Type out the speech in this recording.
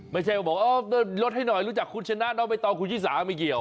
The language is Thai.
ไม่ใช่ว่าบอกลดให้หน่อยรู้จักคุณชนะน้องใบตองคุณชิสาไม่เกี่ยว